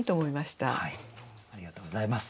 ありがとうございます。